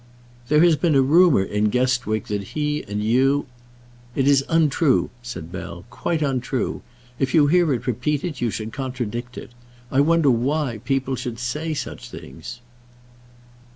"There has been a rumour in Guestwick that he and you " "It is untrue," said Bell; "quite untrue. If you hear it repeated, you should contradict it. I wonder why people should say such things."